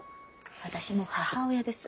私もう母親です。